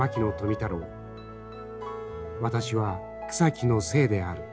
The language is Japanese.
「私は草木の精である」。